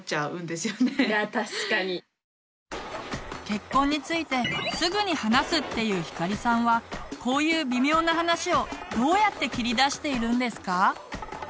結婚についてすぐに話すっていうひかりさんはこういう微妙な話をどうやって切り出しているんですか？